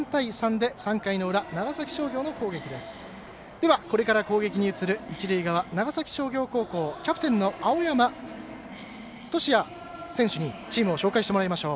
では、これから攻撃に移る一塁側長崎商業高校キャプテンの青山隼也選手にチームを紹介してもらいましょう。